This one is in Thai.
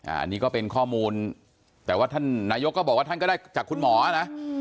อันนี้ก็เป็นข้อมูลแต่ว่าท่านนายกก็บอกว่าท่านก็ได้จากคุณหมอนะ